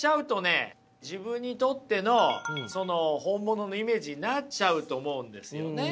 自分にとってのその本物のイメージになっちゃうと思うんですよね。